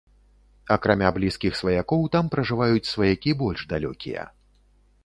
Акрамя блізкіх сваякоў, там пражываюць сваякі больш далёкія.